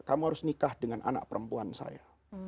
kamu harus nikah dengan anak perempuan saya